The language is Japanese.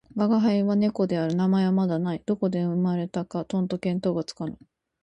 吾輩は猫である。名前はまだない。どこで生れたかとんと見当がつかぬ。